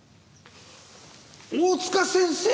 大塚先生！